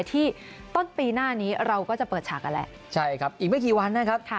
ที่ต้นปีหน้านี้เราก็จะเปิดฉากกันแล้วใช่ครับอีกไม่กี่วันนะครับ